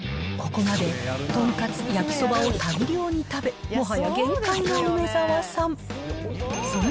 ここまで、とんかつ、焼きそばを大量に食べ、もはや限界の梅沢さん。